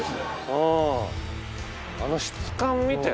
うん。